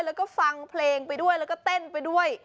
แล้วก็ฟังเพลงไปด้วยแล้วก็เต้นไปด้วย